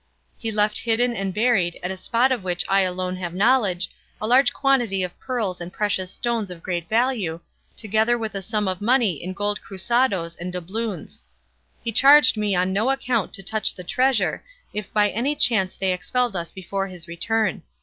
He left hidden and buried, at a spot of which I alone have knowledge, a large quantity of pearls and precious stones of great value, together with a sum of money in gold cruzadoes and doubloons. He charged me on no account to touch the treasure, if by any chance they expelled us before his return.